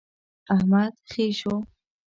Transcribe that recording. احمد خې شو.